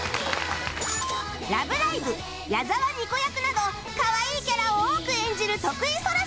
『ラブライブ！』矢澤にこ役などかわいいキャラを多く演じる徳井青空さん